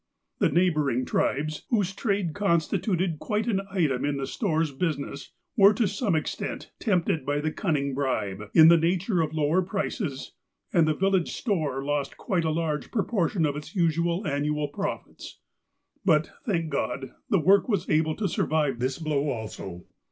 The neighbouring tribes, whose trade constituted quite an item in the store's business, were, to some extent, tempted by the cunning bribe, in the nature of lower prices, and the village store lost quite a large proportion of its usual annual profits. But, thank God, the work was able to survive this blow also.